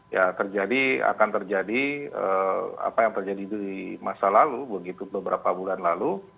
ya terjadi akan terjadi apa yang terjadi di masa lalu begitu beberapa bulan lalu